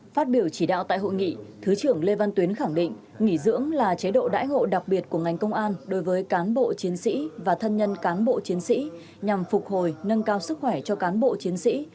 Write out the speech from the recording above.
phát biểu chỉ đạo tại hội nghị thứ trưởng lê văn tuyến khẳng định nghỉ dưỡng là chế độ đãi ngộ đặc biệt của ngành công an đối với cán bộ chiến sĩ và thân nhân cán bộ chiến sĩ nhằm phục hồi nâng cao sức khỏe cho cán bộ chiến sĩ